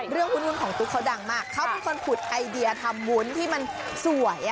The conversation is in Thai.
วุ้นของตุ๊กเขาดังมากเขาเป็นคนขุดไอเดียทำวุ้นที่มันสวย